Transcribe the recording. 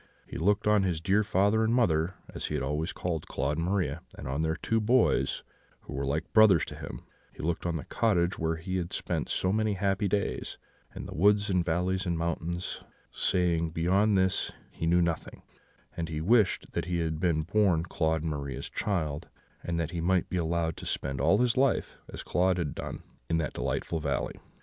He looked on his dear father and mother, as he always called Claude and Maria, and on their two boys, who were like brothers to him; he looked on the cottage where he had spent so many happy days, and the woods and valleys and mountains, saying, beyond this he knew nothing; and he wished that he had been born Claude and Maria's child, and that he might be allowed to spend all his life, as Claude had done, in that delightful valley.